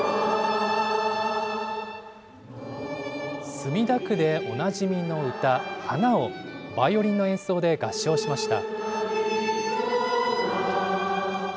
墨田区でおなじみの歌、花をバイオリンの演奏で合唱しました。